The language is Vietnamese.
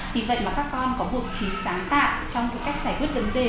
thì vậy mà các con có buộc chính sáng tạo trong các cách giải quyết vấn đề